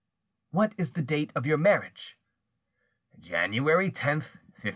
"What is the date of your marriage?" "January 10, 1539."